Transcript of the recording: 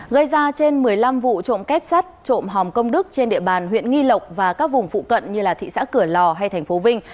gây ra trên một mươi năm vụ trộm kết sắt trộm hòm công đức trên địa bàn huyện nghi lộc và các vùng phụ cận như thị xã cửa lò hay thành phố vinh